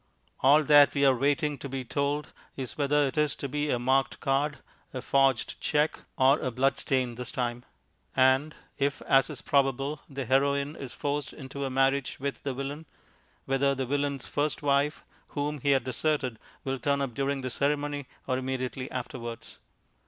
All that we are waiting to be told is whether it is to be a marked card, a forged cheque, or a bloodstain this time; and (if, as is probable, the Heroine is forced into a marriage with the Villain) whether the Villain's first wife, whom he had deserted, will turn up during the ceremony or immediately afterwards.